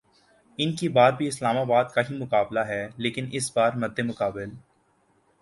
اب کی بار بھی اسلام آباد کا ہی مقابلہ ہے لیکن اس بار مدمقابل